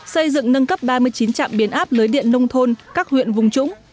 xây dựng nâng cấp ba mươi chín trạm biến áp lưới điện nông thôn các huyện vùng trũng